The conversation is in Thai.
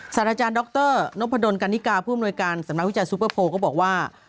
อาจารย์ดรนพดลกันนิกาผู้อำนวยการสำนักวิจัยซูเปอร์โพลก็บอกว่า